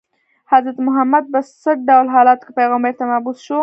حضرت محمد په څه ډول حالاتو کې پیغمبرۍ ته مبعوث شو.